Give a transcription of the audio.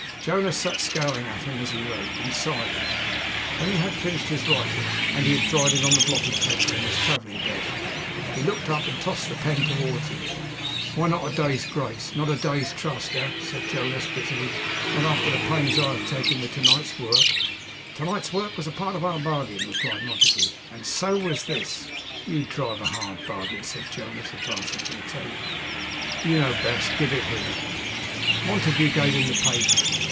Jonas sat scowling at him as he wrote, in silence. When he had finished his writing, and had dried it on the blotting paper in his travelling desk; he looked up, and tossed the pen towards him. 'What, not a day's grace, not a day's trust, eh?' said Jonas bitterly. 'Not after the pains I have taken with to night's work?' 'To night's work was a part of our bargain,' replied Montague; 'and so was this.' 'You drive a hard bargain,' said Jonas, advancing to the table. 'You know best. Give it here!' Montague gave him the paper.